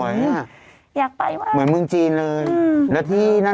อยากไปมากค่ะสมมติว่าอย่างเมืองจีนเลยและที่นั้น